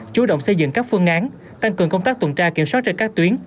chú động xây dựng các phương án tăng cường công tác tuần tra kiểm soát trên các tuyến